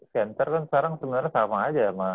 center kan sekarang sebenarnya sama aja sama